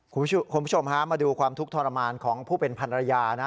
คุณผู้ชมฮะมาดูความทุกข์ทรมานของผู้เป็นพันรยานะ